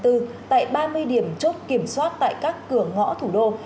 tại ba mươi điểm chốt kiểm soát tại các cửa ngõ thủ đô